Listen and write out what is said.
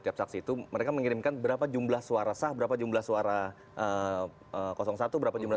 tiap saksi itu mereka mengirimkan berapa jumlah suara sah berapa jumlah suara satu berapa jumlah